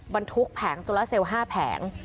บรรทุกแผงโซลาเซล๕แผง